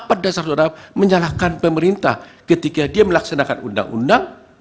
ada salah satu orang menyalahkan pemerintah ketika dia melaksanakan undang undang